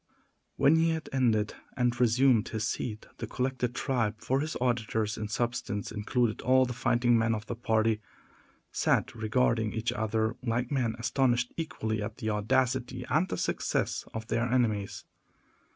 When he had ended, and resumed his seat, the collected tribe—for his auditors, in substance, included all the fighting men of the party—sat regarding each other like men astonished equally at the audacity and the success of their enemies.